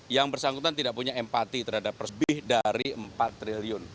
yang bersangkutan tidak punya empati terhadap lebih dari empat triliun